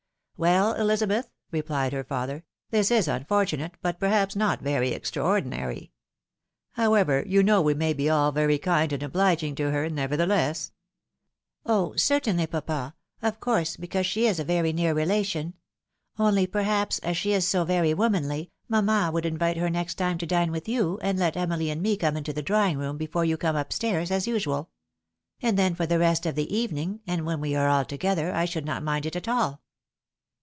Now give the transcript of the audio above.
" Well, Elizabeth !" replied her father, " this is unfortunate, but perhaps not very extraordinary. However, you know we may be all very kind and obliging to her, nevertheless." " Oh ! certainly, papa ! of course, because she is a very neax relation. Only perhaps, as she is so very womanly, mamma would invite her next time to dine with you, and let Emily and me come into the drawing room before you come up stairs, as usual. And then, for the rest of the evening, and when we were all together, I should not mind it at all."